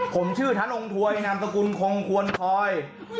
ผมชื่อธนงถวยนามสกุลคงควรพลอย